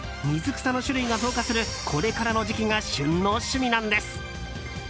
水草の種類が増加するこれからの時期が旬の趣味なんです。